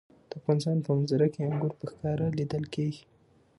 د افغانستان په منظره کې انګور په ښکاره لیدل کېږي.